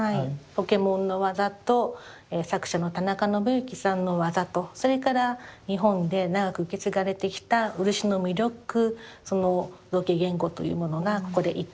ポケモンの技と作者の田中信行さんの技とそれから日本で長く受け継がれてきた漆の魅力その造形言語というものがここで一体化した